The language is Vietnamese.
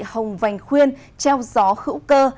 hồng vành khuyên treo gió hữu cơ